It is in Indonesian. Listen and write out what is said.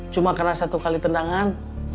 cuma karena satu kali tendangan